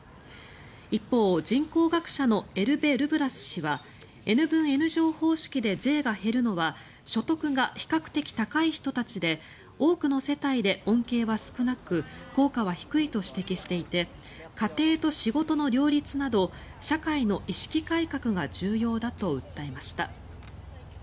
一方、人口学者のエルベ・ルブラス氏はＮ分Ｎ乗方式で税が減るのは所得が比較的高い人たちで多くの世帯で恩恵は少なく効果は低いと指摘していて家庭と仕事の両立など社会の意識改革が重要だと訴えました。